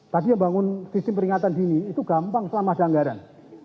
tadi yang bangun sistem peringatan dini itu gampang selama ada anggaran